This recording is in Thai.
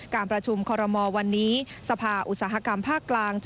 การประชุมครมรวรวรว่างที่สภาอุตสาหกรรมภาคกลาง